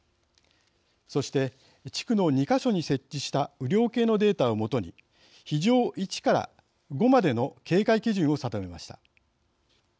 そして、地区の２か所に設置した雨量計のデータを基に非常１から５までの警戒基準を定めました。